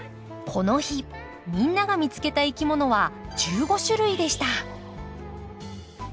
この日みんなが見つけたいきものは１５種類でした。